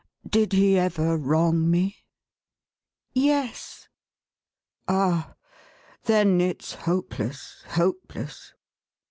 Did he ever wrong me?" "Yes." " Ah ! Then it's hopeless — hopeless."